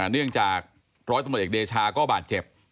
เนื่องจากร้อยตำรวจเอกเดชาก็บาดเจ็บ